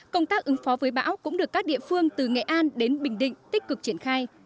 công tác ứng phó với bão cũng được các địa phương từ nghệ an đến bình định tích cực triển khai